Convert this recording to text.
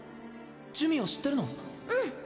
珠魅を知ってるの？